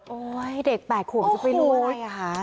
โอ้ยเด็ก๘ขวบจะไปรู้อะไรอ่ะค่ะ